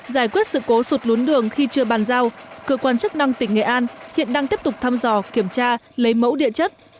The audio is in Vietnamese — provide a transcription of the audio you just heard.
giải quyết sự cố sụt lún đường khi chưa bàn giao cơ quan chức năng tỉnh nghệ an hiện đang tiếp tục thăm dò kiểm tra lấy mẫu địa chất